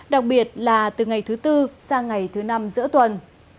đặc biệt là từ ngày thứ tư sang ngày thứ năm giữa tuần